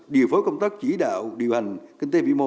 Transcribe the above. điều phối công tác chỉ đạo điều hành kinh tế vĩ mô